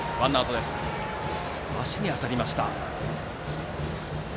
打球が足に当たりました。